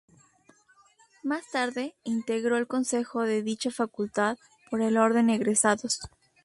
Más tarde integró el Consejo de dicha Facultad por el Orden Egresados.